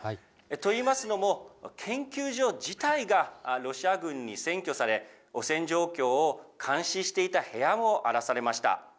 といいますのも、研究所自体がロシア軍に占拠され、汚染状況を監視していた部屋も荒らされました。